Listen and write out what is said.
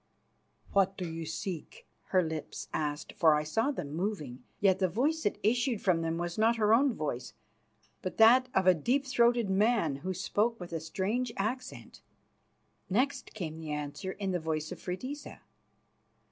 "What do you seek?" her lips asked, for I saw them moving. Yet the voice that issued from them was not her own voice, but that of a deep throated man, who spoke with a strange accent. Next came the answer in the voice of Freydisa.